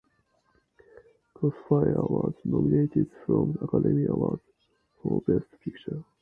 "Crossfire" was nominated for the Academy Award for Best Picture.